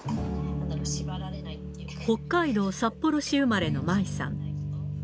北海道札幌市生まれの舞さん。